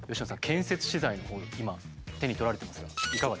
建設資材今手に取られてますがいかがですか？